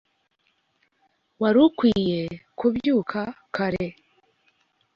Wari ukwiye kubyuka kare